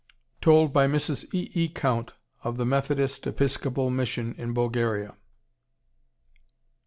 (Told by Mrs. E. E. Count of the Methodist Episcopal Mission in Bulgaria.)